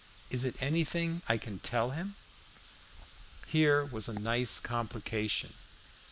Is it anything I can tell him?" Here was a nice complication.